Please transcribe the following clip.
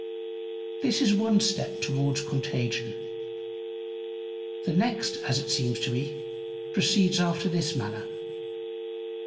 THIS is one step towards Contagion. The next, as it seems to me, proceeds after this Manner.